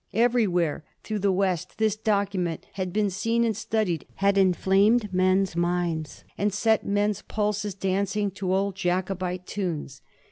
Every* where through the west this document had been seen and studied, had inflamed men's minds, and set men's pulses dancing to old Jacobite tunes.